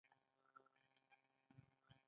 کنیشکا د هنر او ادبیاتو ملاتړی و